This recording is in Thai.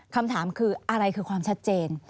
คำถามคืออะไรคือความชัดเจน